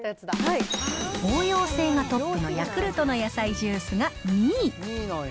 応用性がトップのヤクルトの野菜ジュースが２位。